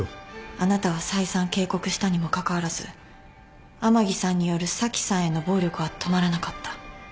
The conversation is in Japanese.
あなたが再三警告したにもかかわらず甘木さんによる紗季さんへの暴力は止まらなかった。